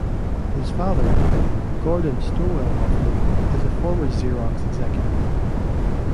His father, Gordon Stowell Hoffman, is a former Xerox executive.